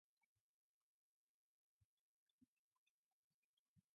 Trejos studied International Relations with specialization in foreign trade.